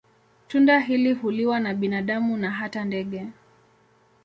Tunda hili huliwa na binadamu na hata ndege.